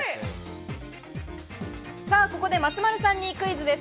ここで松丸さんにクイズです。